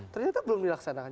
ternyata belum dilaksanakan